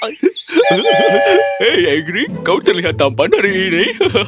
hei negri kau terlihat tampan hari ini